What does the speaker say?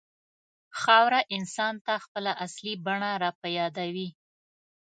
خاوره انسان ته خپله اصلي بڼه راپه یادوي.